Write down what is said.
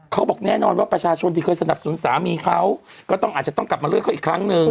เขาบอกแน่นอนว่าประชาชนที่เคยสนับสนุนสามีเขาก็ต้องอาจจะต้องกลับมาเลือกเขาอีกครั้งหนึ่ง